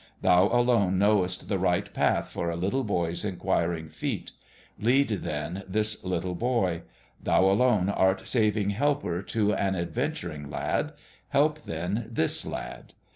Thou alone knowest the right path for a little boy's in quiring feet: lead then this little boy. Thou alone art saving helper to an adventuring lad : help then this lad.